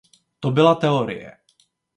To byla teorie.